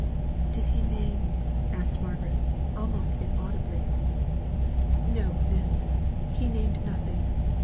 "Did he name " asked Margaret, almost inaudibly. "No, miss; he named nothing.